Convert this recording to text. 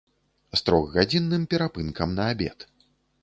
З трохгадзінным перапынкам на абед.